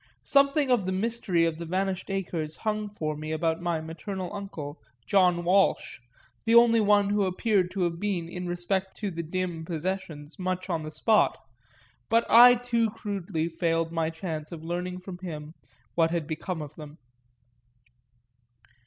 Something of the mystery of the vanished acres hung for me about my maternal uncle, John Walsh, the only one who appeared to have been in respect to the dim possessions much on the spot, but I too crudely failed of my chance of learning from him what had become of them.